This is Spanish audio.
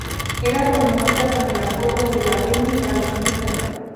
Era conocida con el apodo de "la Venus valenciana".